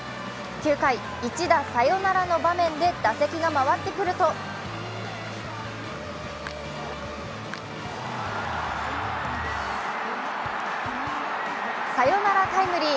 ９回、一打サヨナラの場面で打席が回ってくるとサヨナラタイムリー。